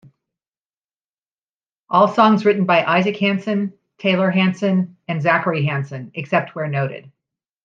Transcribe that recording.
All songs written by Isaac Hanson, Taylor Hanson and Zachary Hanson, except where noted.